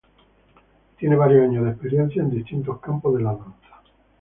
Tiene varios años de experiencia en distintos campos de la danza.